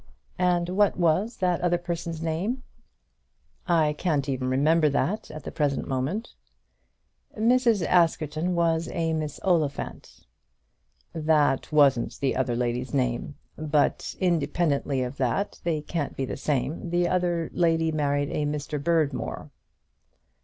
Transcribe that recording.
"And what was the other person's name?" "I can't even remember that at the present moment." "Mrs. Askerton was a Miss Oliphant." "That wasn't the other lady's name. But, independently of that, they can't be the same. The other lady married a Mr. Berdmore."